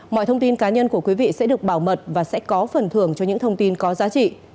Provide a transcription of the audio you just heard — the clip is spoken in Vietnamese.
mọi thông tin cá nhân của quý vị sẽ được bảo mật và sẽ có phần thưởng cho những thông tin có giá trị